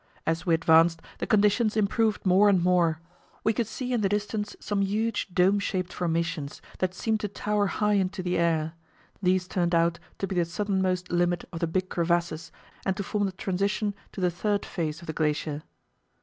As we advanced, the conditions improved more and more. We could see in the distance some huge dome shaped formations, that seemed to tower high into the air: these turned out to be the southernmost limit of the big crevasses and to form the transition to the third phase of the glacier.